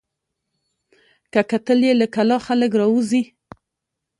که کتل یې له کلا خلک راوزي